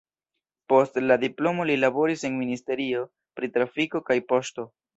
Post la diplomo li laboris en ministerio pri trafiko kaj poŝto.